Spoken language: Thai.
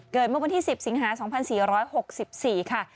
เมื่อวันที่๑๐สิงหา๒๔๖๔ค่ะ